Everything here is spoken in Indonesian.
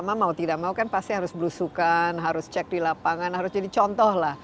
ya mau tidak mau kan pasti harus berusukan harus cek di lapangan harus jadi contoh lah